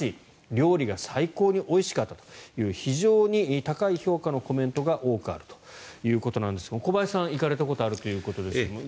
料理が最高においしかったという非常に高い評価のコメントが多くあるということなんですが小林さん、行かれたことがあるということですが。